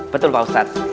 betul pak ustadz